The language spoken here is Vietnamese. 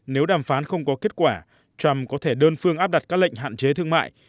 nếu đàm phán không có kết quả trump có thể đơn phương áp đặt các lệnh hạn chế thương mại